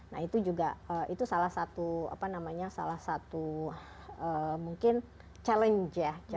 nah itu juga itu salah satu mungkin challenge ya